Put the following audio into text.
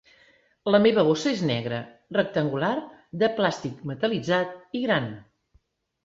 La meva bossa és negra, rectangular, de plàstic metal·litzat i gran.